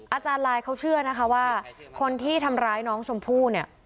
อาจารย์ลายเขาเชื่อนะคะว่าคนที่ทำร้ายน้องชมพู่เนี่ย